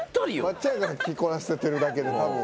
松ちゃんやから着こなせてるだけでたぶん。